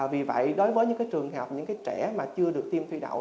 vì vậy đối với những trường hợp những trẻ mà chưa được tiêm phi đậu